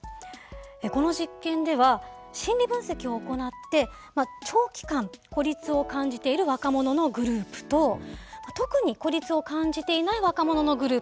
この実験では心理分析を行って長期間孤立を感じている若者のグループと特に孤立を感じていない若者のグループ。